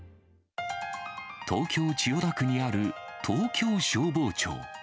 東京・千代田区にある東京消防庁。